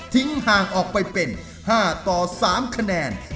ห่างออกไปเป็น๕ต่อ๓คะแนน